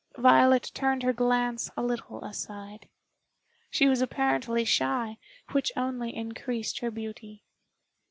Violet turned her glance a little aside. She was apparently shy, which only increased her beauty.